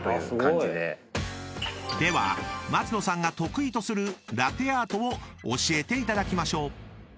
［では松野さんが得意とするラテアートを教えていただきましょう］